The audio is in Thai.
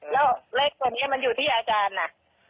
แล้วเลขตัวนี้มันอยู่ที่อาจารย์น่ะ